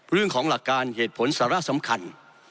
เรื่องของหลักการเหตุผลสาระสำคัญ